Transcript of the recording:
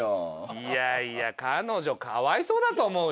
いやいや彼女かわいそうだと思うよ？